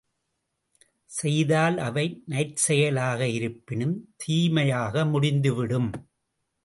செய்தால், அவை நற்செயலாக இருப்பினும் தீமையாக முடிந்துவிடும்.